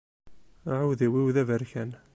Aɛudiw-iw d aberkan.